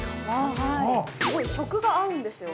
すごい食が合うんですよ。